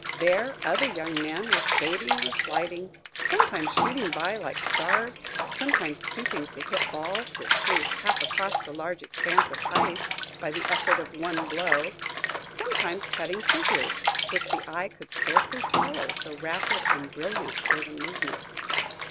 There, other young men were skating or sliding; sometimes shooting by like stars, sometimes stooping to hit balls, which flew half across the large expanse of ice by the effort of one blow; sometimes cutting figures, which the eye could scarcely follow, so rapid and brilliant were the movements.